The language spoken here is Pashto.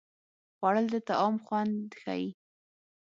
خوړل د طعام خوند ښيي